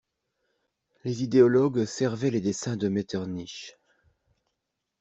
Les idéologues servaient les desseins de Metternich.